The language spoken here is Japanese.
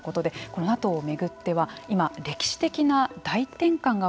このＮＡＴＯを巡っては今、歴史的な大転換が